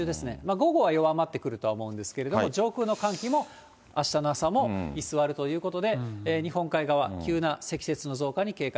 午後は弱まってくるとは思うんですけれども、上空の寒気も、あしたの朝も居座るということで、日本海側、急な積雪の増加に警戒。